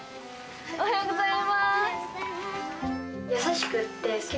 おはようございます。